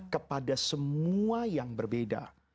kepada semua yang berbeda